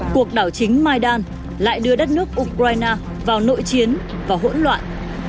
cuộc đảo chính mydan lại đưa đất nước ukraine vào nội chiến và hỗn loạn